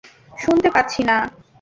শুনতে পাচ্ছি না!